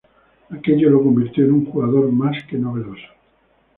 Aquello lo convirtió en un jugador más que novedoso.